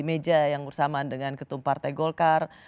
meja yang bersamaan dengan ketum partai golkar